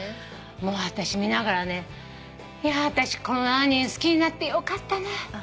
もう私見ながらねいや私この７人好きになってよかったな。